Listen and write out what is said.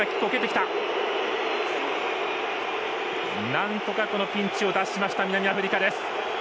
なんとかピンチを脱しました南アフリカです。